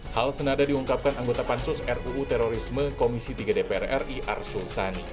hal senada diungkapkan anggota pansus ruu terorisme komisi tiga dpr ri arsul sani